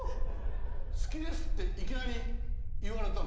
好きですっていきなり言われたの？